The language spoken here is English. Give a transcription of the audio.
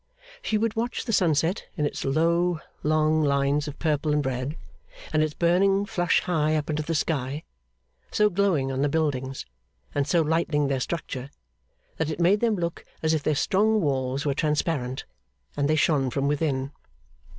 She would watch the sunset, in its long low lines of purple and red, and its burning flush high up into the sky: so glowing on the buildings, and so lightening their structure, that it made them look as if their strong walls were transparent, and they shone from within.